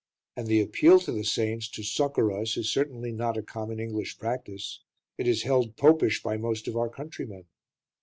And the appeal to the saints to succour us is certainly not a common English practice; it is held Popish by most of our countrymen.